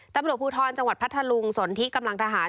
ตำรวจภูทรจังหวัดพัทธลุงสนที่กำลังทหาร